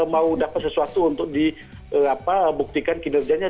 mau dapat sesuatu untuk dibuktikan kinerjanya